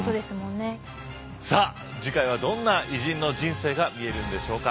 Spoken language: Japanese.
さあ次回はどんな偉人の人生が見れるんでしょうか。